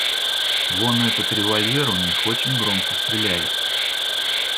Вон этот револьвер у них очень громко стреляет.